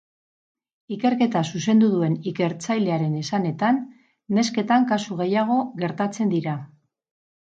Ikerketa zuzendu duen ikertzailearen esanetan, nesketan kasu gehiago gertatzen dira.